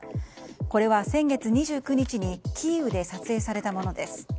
これは先月２９日にキーウで撮影されたものです。